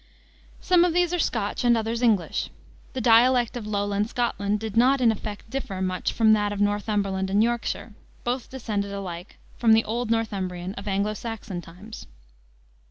Some of these are Scotch and others English; the dialect of Lowland Scotland did not, in effect, differ much from that of Northumberland and Yorkshire, both descended alike from the old Northumbrian of Anglo Saxon times.